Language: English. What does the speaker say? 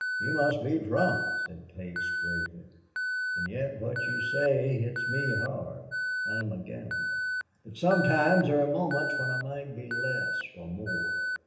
"You must be drunk," said Place, gravely, "and yet what you say hits me hard. I'm a gambler. But sometimes there are moments when I might be less or more.